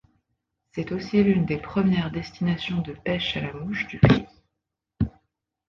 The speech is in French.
C'est aussi l'une des premières destinations de pêche à la mouche du pays.